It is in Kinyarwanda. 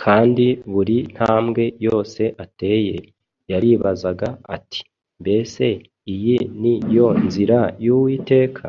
kandi buri ntambwe yose ateye yaribazaga ati, “Mbese iyi ni yo nzira y’Uwiteka?”